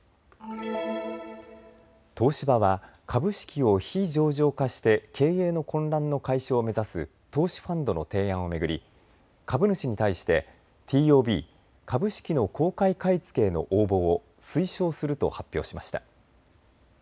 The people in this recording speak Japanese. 東芝は株式を非上場化して経営の混乱の解消を目指す投資ファンドの提案を巡り株主に対してＴＯＢ・株式の公開買い付けへの応募を推奨すると発表しました。